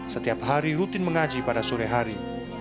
setiap hari rutin mengaji pada sore hari